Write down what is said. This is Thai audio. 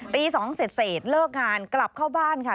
ตี๒เสร็จเลิกงานกลับเข้าบ้านค่ะ